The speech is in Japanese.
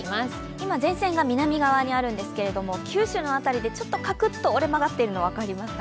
今、前線が南側にあるんですけど九州の辺りでカクッと折れ曲がってるの分かりますか？